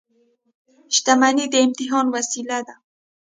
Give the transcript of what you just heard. • شتمني د امتحان وسیله ده.